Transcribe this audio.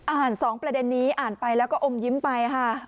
๒ประเด็นนี้อ่านไปแล้วก็อมยิ้มไปค่ะ